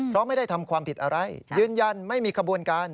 เพราะไม่ได้ทำความผิดอะไรยืนยันไม่มีขบวนการ